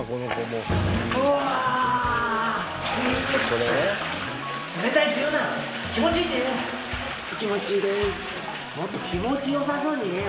もっと気持ち良さそうに言えよ。